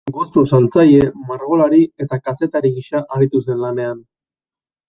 Gozo-saltzaile, margolari eta kazetari gisa aritu zen lanean.